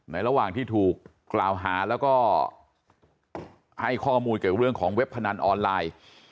ระหว่างที่ถูกกล่าวหาแล้วก็ให้ข้อมูลเกี่ยวกับเรื่องของเว็บพนันออนไลน์